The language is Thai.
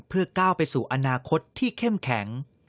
เพื่อก้าวไปสู่อนาคตที่เข้มแข็ง